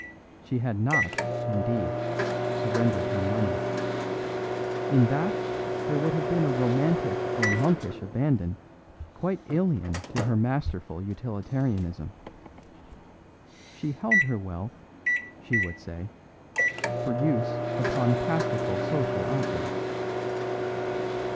She had not, indeed, surrendered her money; in that there would have been a romantic or monkish abandon quite alien to her masterful utilitarianism. She held her wealth, she would say, for use upon practical social objects.